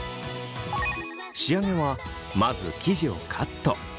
仕上げはまず生地をカット。